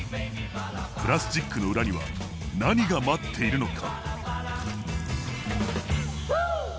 プラスチックの裏には何が待っているのか。